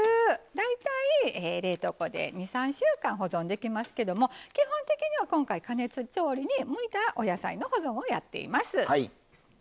大体冷凍庫で２３週間保存できますけども基本的には今回加熱調理に向いたお野菜の保存をやっています。